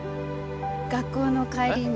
学校の帰りに。